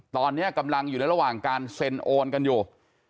ตอนนี้กำลังอยู่ในระหว่างการเซ็นโอนกันอยู่